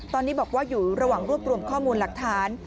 ตอนนี้บอกว่าอยู่ระหว่างรวบรวมข้อมูลหลักฐาน